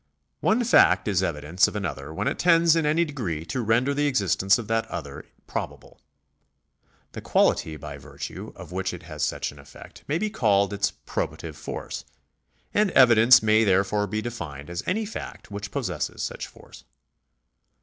One fact is evidence of another when it tends in any degree to render the existence of that other probable. The quality by virtue of which it has such an effect may be called its probauve force, and evidence may therefore be defined as any § 173] THE LAW OF PROCEDURE 441 fact which possesses such force.